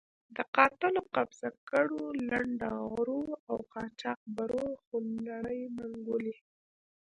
د قاتلو، قبضه ګرو، لنډه غرو او قاچاق برو خونړۍ منګولې.